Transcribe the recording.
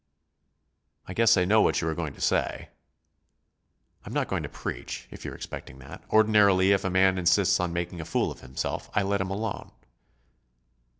"I guess I know what you are going to say." "I'm not going to preach, if you're expecting that. Ordinarily, if a man insists on making a fool of himself, I let him alone."